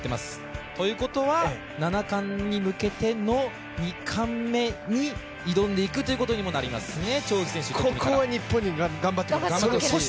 ということは、７冠に向けての２冠目に挑んでくということになりますね。